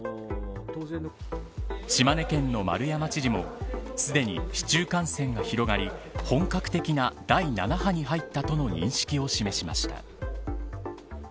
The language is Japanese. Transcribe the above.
島根県の丸山知事もすでに市中感染が広がり本格的な第７波に入ったとの認識を示しました。